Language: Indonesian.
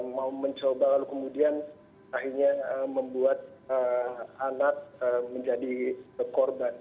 yang mau mencoba lalu kemudian akhirnya membuat anak menjadi korban